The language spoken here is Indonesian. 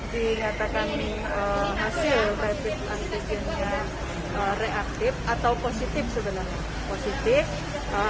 kalau dinyatakan hasil rapid antigen yang reaktif atau positif sebenarnya